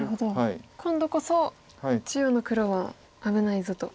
今度こそ中央の黒は危ないぞと。